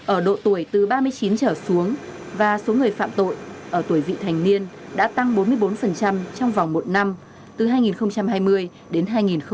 ở độ tuổi từ ba mươi chín trở xuống và số người phạm tội ở tuổi vị thành niên đã tăng bốn mươi bốn trong vòng một năm từ hai nghìn hai mươi đến hai nghìn hai mươi một